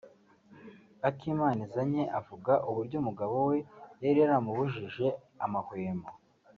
Akimanizanye avuga uburyo umugabo we yari yaramubujije amahwemo